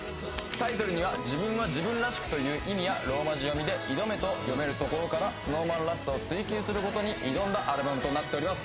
タイトルには自分は自分らしくという意味やローマ字読みで「イドメ」と読めるところからＳｎｏｗＭａｎらしさを追求することに挑んだアルバムとなっております